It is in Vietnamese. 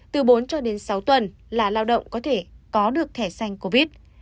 từ bốn cho đến sáu tuần là lao động có thể có được thẻ xanh covid